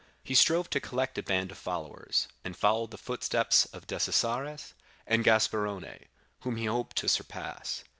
He strove to collect a band of followers, and followed the footsteps of Decesaris and Gasparone, whom he hoped to surpass.